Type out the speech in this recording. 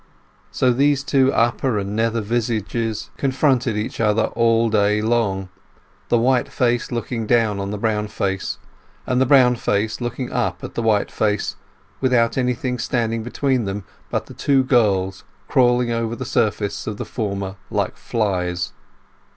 So these two upper and nether visages confronted each other all day long, the white face looking down on the brown face, and the brown face looking up at the white face, without anything standing between them but the two girls crawling over the surface of the former like flies.